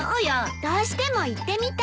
どうしても行ってみたいの！